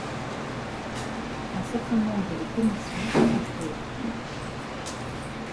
Un certain nombre de commissions sont créées.